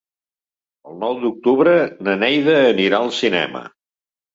El nou d'octubre na Neida anirà al cinema.